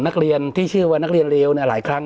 นักเรียนที่ชื่อว่านักเรียนเลวหลายครั้ง